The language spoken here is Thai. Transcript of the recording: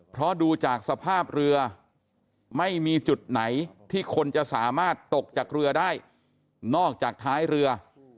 เพราะดูจากสภาพเรือไม่มีจุดไหนที่คนจะสามารถตกจากเรือได้นอกจากท้ายเรือ